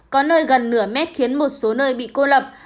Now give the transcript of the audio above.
có nơi gần nửa mét khiến một số nơi bị cô lập